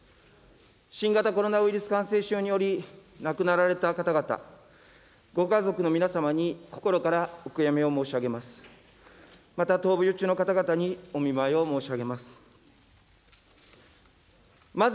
新型コロナウイルス感染症により、亡くなられた方々、ご家族の皆様に心からお悔やみを申し上げます。